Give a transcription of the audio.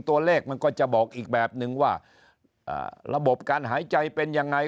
ตัวเลขมันก็จะบอกอีกแบบนึงว่าระบบการหายใจเป็นยังไง